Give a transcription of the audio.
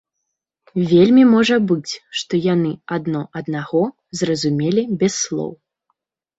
Вельмі можа быць, што яны адно аднаго зразумелі без слоў.